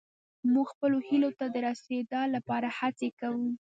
موږ خپلو هيلو ته د رسيدا لپاره هڅې کوو.